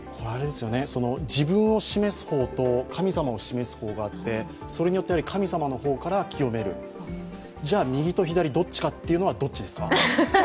自分を示す方と神様を示す方があって、それによって、神様の方から清めるじゃ、右と左どっちかというのはどっちですか？